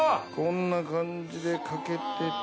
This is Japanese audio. こんな感じでかけて。